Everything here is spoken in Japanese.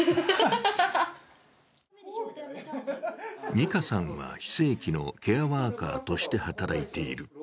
美花さんは非正規のケアワーカーとして働いている。